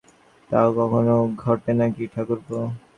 তাও কখনো ঘটে নাকি ঠাকুরপো?